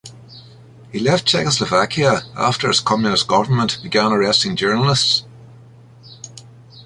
He left Czechoslovakia after its Communist government began arresting journalists.